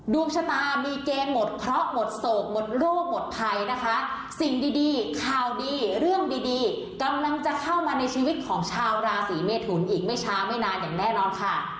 ดวงชะตามีเกณฑ์หมดเคราะห์หมดโศกหมดโรคหมดภัยนะคะสิ่งดีข่าวดีเรื่องดีดีกำลังจะเข้ามาในชีวิตของชาวราศีเมทุนอีกไม่ช้าไม่นานอย่างแน่นอนค่ะ